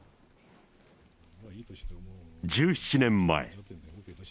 １７年前。